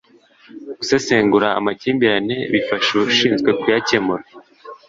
gusesengura amakimbirane bifasha ushinzwe kuyakemura